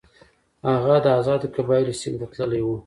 هغه د آزادو قبایلو سیمې ته تللی وو.